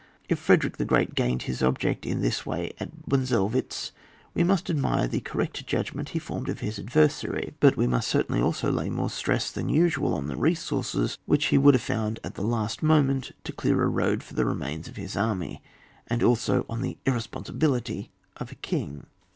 If Frederick the Great gained his object in this way at Bunzelwitz, we must admire the cor rect judgment he formed of his adver sary, but we must certainly also lay more stress than usual on the resources which he woidd have found at the last moment to clear a road for the remnants of his army, and also on the irresponsibility of a king.